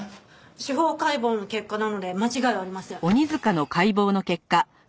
司法解剖の結果なので間違いありません。